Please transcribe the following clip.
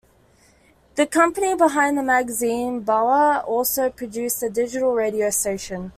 The company behind the magazine, Bauer, also produced a digital radio station.